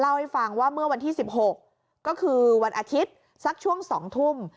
เล่าให้ฟังว่าเมื่อวันที่๑๖ก็คือวันอาทิตย์สักช่วง๒ทุ่ม